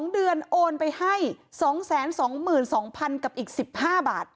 ๒เดือนโอนไปให้๒๒๒๐๐๐กับอีก๑๕บาท